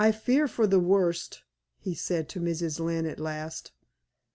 "I fear for the worst," he said to Mrs. Lynne at last.